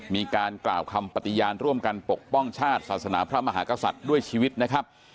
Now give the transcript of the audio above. มีการกล่าวคำปฏิญาณร่วมกันปกป้องชาติศาสนาพระมหากษัตริย์ด้วยชีวิตนะครับ